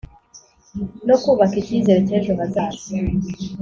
No kubaka icyizere cy ejo hazaza